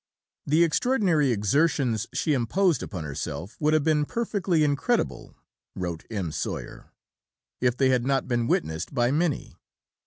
"The extraordinary exertions she imposed upon herself would have been perfectly incredible," wrote M. Soyer, "if they had not been witnessed by many.